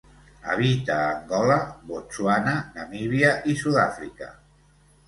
Habita a Angola, Botswana, Namíbia i Sud-àfrica.